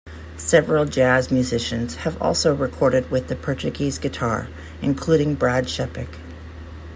Several jazz musicians have also recorded with the Portuguese guitar, including Brad Shepik.